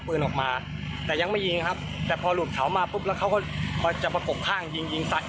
เพื่อไม่ให้เขามาประกบฆ่าอย่างนี้